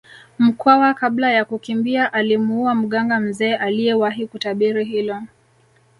Mkwawa kabla ya kukimbia alimuua mganga mzee aliyewahi kutabiri hilo